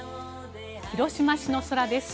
広島市の空です。